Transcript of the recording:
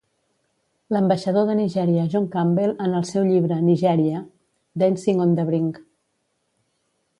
L'ambaixador de Nigèria John Campbell en el seu llibre, Nigeria: Dancing on the Brink.